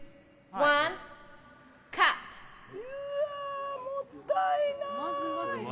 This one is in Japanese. うわ、もったいない！